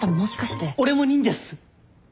俺も忍者っす。